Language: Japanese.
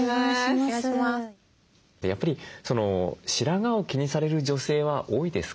やっぱり白髪を気にされる女性は多いですか？